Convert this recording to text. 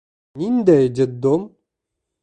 Ниндәй детдом?